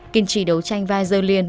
kinh trì đấu tranh vài giờ liền